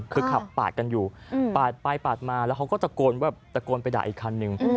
คือขับปากกันอยู่ปากไปปากมาแล้วเขาก็ตะโกนไปด่าอีกคันนึง